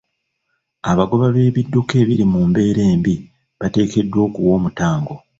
Abagoba b'ebidduka ebiri mu mbeera embi bateekeddwa okuwa omutango.